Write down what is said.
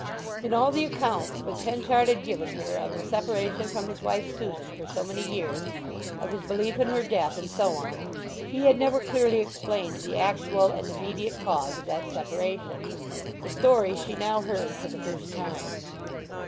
In all the accounts which Henchard had given her of the separation from his wife Susan for so many years, of his belief in her death, and so on, he had never clearly explained the actual and immediate cause of that separation. The story she now heard for the first time.